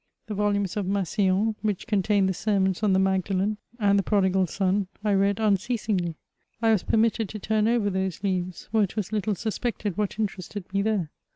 The volumes of Massillon, which contained the sermons on the Magdalen and the Pro digal Son, I read unceasingly. I was permitted to turn over those leaves, for it was Uttle suspected what interested me there.